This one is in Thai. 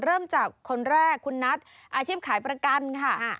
เริ่มจากคนแรกคุณนัทอาชีพขายประกันค่ะ